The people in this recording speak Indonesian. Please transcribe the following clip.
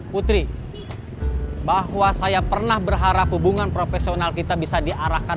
putri bahwa saya pernah berharap hubungan profesional kita bisa diarahkan